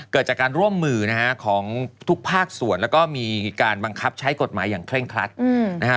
เกิดจากการร่วมมือนะฮะของทุกภาคส่วนแล้วก็มีการบังคับใช้กฎหมายอย่างเคร่งครัดนะฮะ